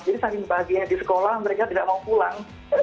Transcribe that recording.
jadi saking bahagianya di sekolah mereka tidak mau pulang